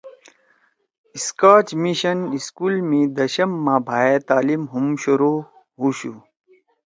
اسکاچ مشن اسکول می دشم ما بھائے تعلیم ہُم شروع ہُوشُو